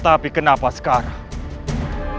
tapi kenapa sekarang